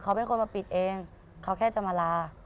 เขาเป็นคนมาปิดเองเขาแค่จะมาลา